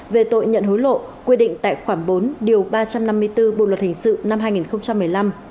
về tội nhận hối lộ quy định tại khoản bốn điều ba trăm năm mươi bốn bộ luật hình sự năm hai nghìn một mươi năm